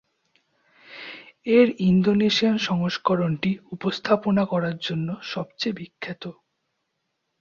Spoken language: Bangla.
এর ইন্দোনেশিয়ান সংস্করণটি উপস্থাপনা করার জন্য সবচেয়ে বিখ্যাত।